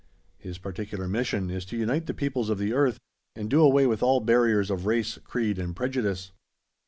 His particular mission is to unite the peoples of the earth, and do away with all barriers of race, creed, and prejudice.